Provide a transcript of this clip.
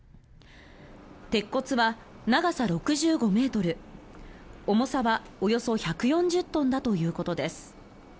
鉄骨は長さ６５ｍ重さはおよそ１４０トンだということです。